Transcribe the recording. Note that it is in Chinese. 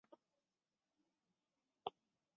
乾隆二十四年十一月调署凤山县下淡水巡检。